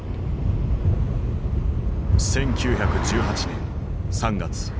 １９１８年３月。